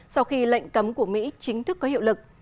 sau khi lệnh cấm của mỹ chính thức có hiệu lực